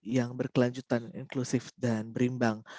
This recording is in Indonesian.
yang berkelanjutan inklusif dan berimbang